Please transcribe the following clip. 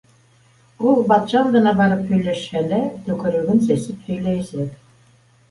Ул батша алдына барып һөйләшһә лә, төкөрөгөн сәсеп һөйләйәсәк.